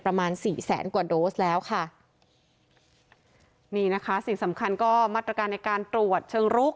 ประมาณสี่แสนกว่าโดสแล้วค่ะนี่นะคะสิ่งสำคัญก็มาตรการในการตรวจเชิงรุก